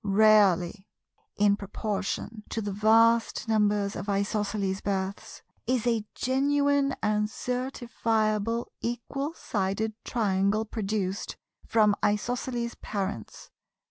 Rarely—in proportion to the vast numbers of Isosceles births—is a genuine and certifiable Equal Sided Triangle produced from Isosceles parents.